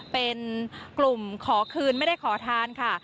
เป็นกลุ่มขอคืนไม่ได้ขอทานค่ะ